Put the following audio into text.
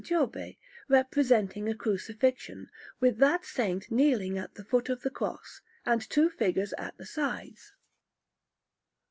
Giobbe, representing a Crucifixion, with that Saint kneeling at the foot of the Cross, and two figures at the sides.